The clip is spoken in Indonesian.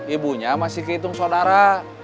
ibunya masih kehitung saudara